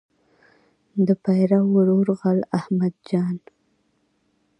د پیرو ورور غل احمد جان.